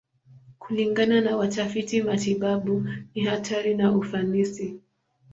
Kulingana na watafiti matibabu, ni hatari na ufanisi.